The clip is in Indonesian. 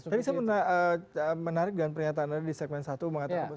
tadi saya menarik dengan pernyataan anda di segmen satu mengatakan